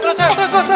terus terus terus